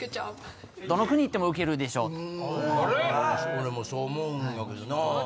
俺もそう思うんやけどな。